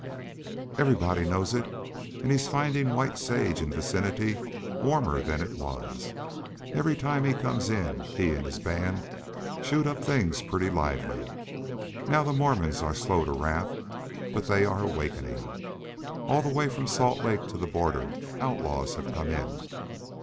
"Everybody knows it, and he's finding White Sage and vicinity warmer than it was. Every time he comes in he and his band shoot up things pretty lively. Now the Mormons are slow to wrath. But they are awakening. All the way from Salt Lake to the border outlaws have come in.